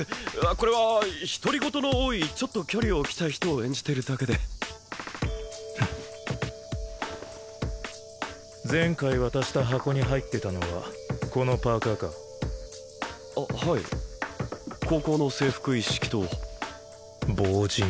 これは独り言の多いちょっと距離を置きたい人を演じてるだけでフン前回渡した箱に入ってたのはこのパーカーかあっはい高校の制服一式と防刃